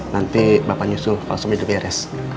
nanti bapak nyusul kalau semuanya sudah beres